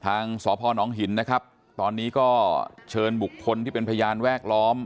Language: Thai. ทางสพนหินนะครับตอนนี้ก็เชิญบุคคลที่เป็นพยานแวดล้อม